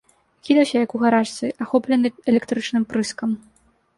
Кідаўся, як у гарачцы, ахоплены электрычным прыскам.